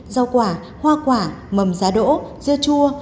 rau quả hoa quả mầm giá đỗ dưa chua